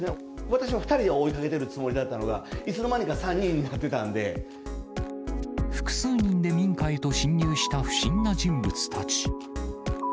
私は２人を追いかけているつもりだったのが、いつの間にか３人に複数人で民家へと侵入した不審な人物たち。